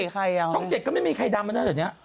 ช่อง๗ก็ไม่มีใครดำมาตั้งแต่เนี่ย